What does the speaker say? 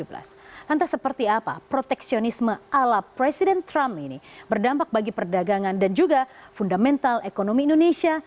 lantas seperti apa proteksionisme ala presiden trump ini berdampak bagi perdagangan dan juga fundamental ekonomi indonesia